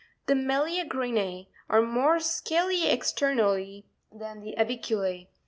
The Meleagrine are more scaly ex ternally than the Avicule.